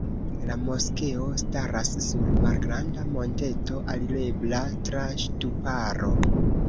La moskeo staras sur malgranda monteto alirebla tra ŝtuparo.